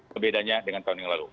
berbedanya dengan tahun yang lalu